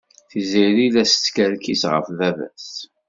Tiziri la teskerkis ɣef baba-s.